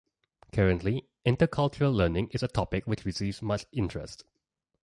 Currently, intercultural learning is a topic which receives much interest.